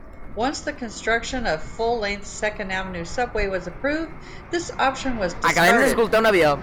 Once the construction of full-length Second Avenue Subway was approved, this option was discarded.